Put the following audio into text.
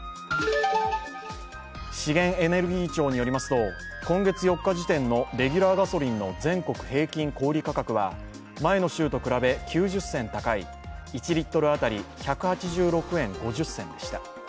資源エネルギー庁によりますと今月４日時点のレギュラーガソリンの全国平均小売価格は前の週と比べ９０銭高い１リットル当たり１８６円５０銭でした。